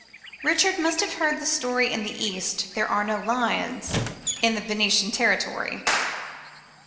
1 Richard must have heard this story in the East ; there are no lions in Venetian territory.